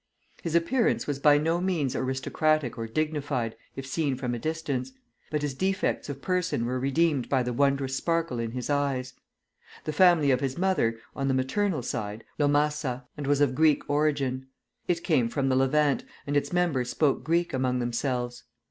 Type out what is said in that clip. His appearance was by no means aristocratic or dignified if seen from a distance, but his defects of person were redeemed by the wondrous sparkle in his eyes. The family of his mother, on the maternal side, was named Lhommaça, and was of Greek origin. It came from the Levant, and its members spoke Greek among themselves.